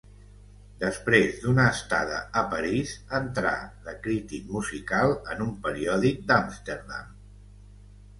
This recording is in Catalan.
Després d'una estada a París, entrà de crític musical en un periòdic d'Amsterdam.